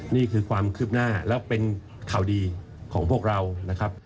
นี่คือความคืบหน้าแล้วเป็นข่าวดีของพวกเรานะครับ